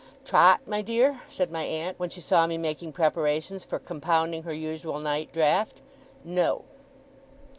'Trot, my dear,' said my aunt, when she saw me making preparations for compounding her usual night draught, 'No!